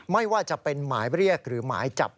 ไม่ว่าจะเป็นหมายเรียกหรือหมายจับ